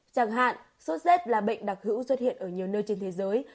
chẳng hạn sốt z là bệnh đặc hữu xuất hiện ở nhiều nơi trên thế giới